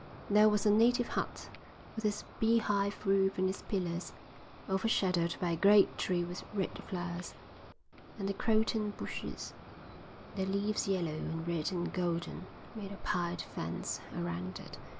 There was a native hut, with its beehive roof and its pillars, overshadowed by a great tree with red flowers; and the croton bushes, their leaves yellow and red and golden, made a pied fence around it.